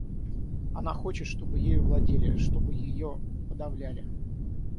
Она хочет, чтобы ею владели, чтобы ее подавляли.